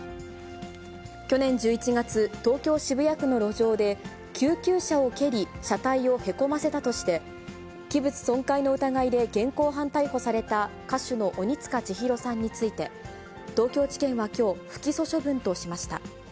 去年１１月、東京・渋谷区の路上で、救急車を蹴り、車体をへこませたとして、器物損壊の疑いで現行犯逮捕された歌手の鬼束ちひろさんについて、東京地検はきょう、不起訴処分としました。